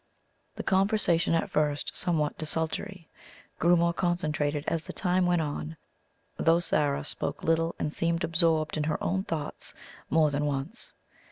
The conversation, at first somewhat desultory, grew more concentrated as the time went on, though Zara spoke little and seemed absorbed in her own thoughts more than once.